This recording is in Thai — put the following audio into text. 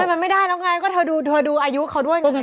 มันไม่ได้แล้วไงก็เธอดูอายุเขาด้วยไง